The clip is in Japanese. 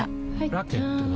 ラケットは？